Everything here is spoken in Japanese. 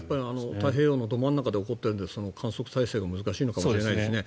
太平洋のど真ん中で起こっているので観測体制が難しいのかもしれないですね。